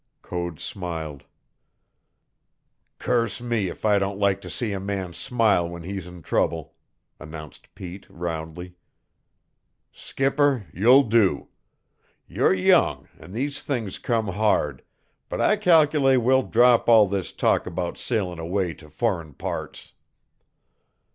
Code smiled. "Curse me if I don't like to see a man smile when he's in trouble," announced Pete roundly. "Skipper, you'll do. You're young, an' these things come hard, but I cal'late we'll drop all this talk about sailin' away to furrin parts.